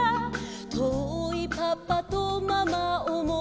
「とおいパパとママおもいだして」